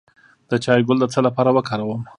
د چای ګل د څه لپاره وکاروم؟